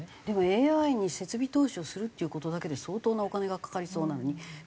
でもＡＩに設備投資をするっていう事だけで相当なお金がかかりそうなのに。